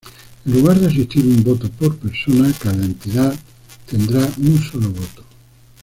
En lugar de asistir un voto por persona, cada entidad tendrá un solo voto.